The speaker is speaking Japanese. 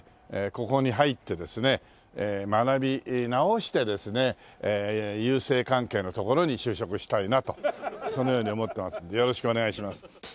ここに入ってですね学び直してですね郵政関係のところに就職したいなとそのように思ってますんでよろしくお願いします。